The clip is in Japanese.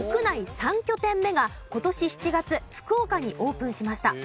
３拠点目が今年７月福岡にオープンしました。